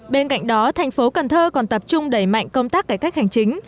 bên cạnh đó thành phố cần thơ còn tập trung đẩy mạnh công tác cải cách hành chính